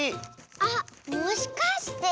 あっもしかして？